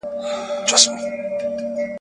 اوښکي په بڼو چي مي پېیلې اوس یې نه لرم !.